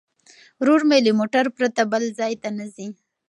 ورور مې له موټر پرته بل ځای ته نه ځي.